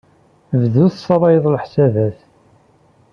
Bdu tessalayeḍ leḥsabat.